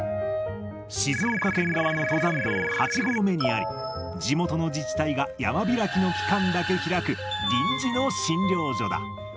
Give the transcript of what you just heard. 静岡県側の登山道８合目にあり、地元の自治体が山開きの期間だけ開く臨時の診療所だ。